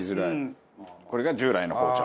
これが従来の包丁。